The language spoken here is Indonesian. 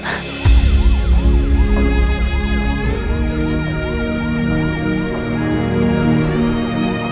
aku takutkan padamu